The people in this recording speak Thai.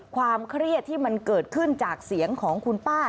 ความเครียดที่มันเกิดขึ้นจากเสียงของคุณป้า